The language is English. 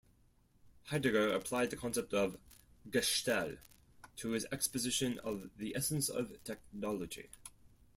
Heidegger applied the concept of "Gestell" to his exposition of the essence of technology.